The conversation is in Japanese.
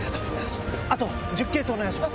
あと１０ケースお願いします。